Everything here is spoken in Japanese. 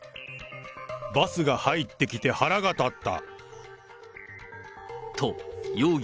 バスが入ってきて腹が立った。